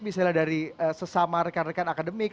misalnya dari sesama rekan rekan akademik